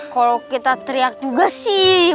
kalau kita teriak juga sih